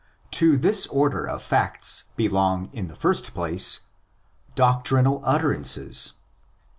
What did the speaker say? To this order of facts belong in the first place— Doctrinal Utterances.